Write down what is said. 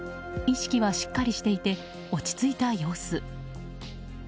意識はしっかりしていて落ち着いた様子。